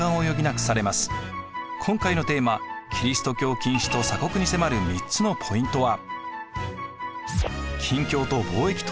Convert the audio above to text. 今回のテーマ「キリスト教禁止と鎖国」に迫る３つのポイントは。